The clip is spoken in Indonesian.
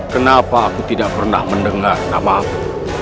kenapa aku tidak pernah mendengar nama aku